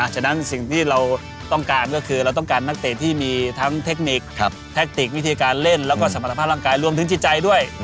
ฉะนั้นสิ่งที่เราต้องการก็คือเราต้องการนักเตะที่มีทั้งเทคนิคแทคติกวิธีการเล่นแล้วก็สมรรถภาพร่างกายรวมถึงจิตใจด้วย